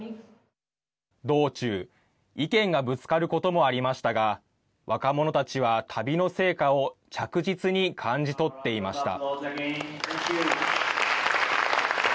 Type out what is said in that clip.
道中、意見がぶつかることもありましたが若者たちは旅の成果を着実に感じ取っていました。